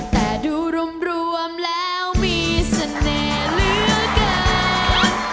แต่ดูรวมแล้วมีเสน่ห์เหลือเกิน